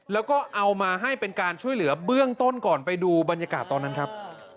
แล้วก็เอามาให้เป็นการช่วยเหลือเบื้องต้นก่อนไปดูบรรยากาศตอนนั้นครับ